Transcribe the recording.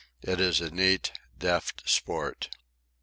It is a neat, deft sport.